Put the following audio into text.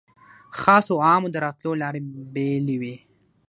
خاصو او عامو د راتلو لارې بېلې وې.